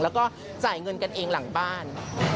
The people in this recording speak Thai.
แล้วก็จ่ายเงินกันเองหลังบ้าน